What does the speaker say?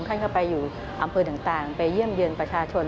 ท่านก็ไปอยู่อำเภอต่างไปเยี่ยมเยือนประชาชน